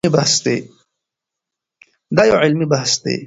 دا یو علمي بحث دی.